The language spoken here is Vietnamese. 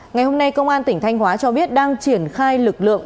ngày hôm nay công an tỉnh thanh hóa cho biết đang triển khai lực lượng